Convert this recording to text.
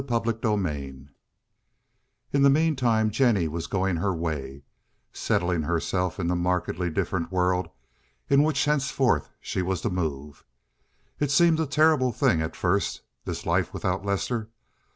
CHAPTER LVII In the meantime Jennie was going her way, settling herself in the markedly different world in which henceforth she was to move. It seemed a terrible thing at first—this life without Lester.